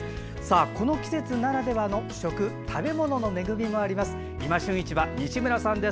この季節ならではの食べ物の恵みもあります。